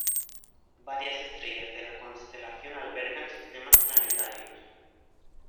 Varias estrellas de la constelación albergan sistemas planetarios.